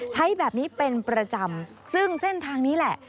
ใช้แบบนี้เป็นประจำซึ่งเส้นทางนี้แหละ